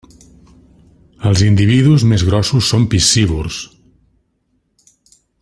Els individus més grossos són piscívors.